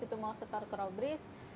itu mau setar ke robriz